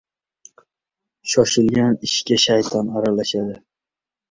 • Shoshilgan ishga shayton aralashadi.